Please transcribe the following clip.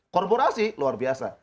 korporasi luar biasa